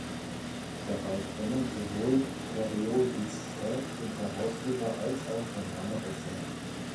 Dabei können sowohl Periodizität und Herausgeber als auch der Name wechseln.